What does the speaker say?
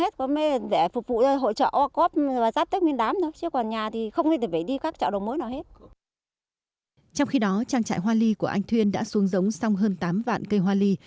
trong khi đó trang trại hoa ly của anh thuyên đã xuống giống xong hơn tám vạn cây hoa ly